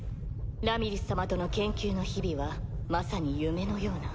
ラミリス様との研究の日々はまさに夢のような。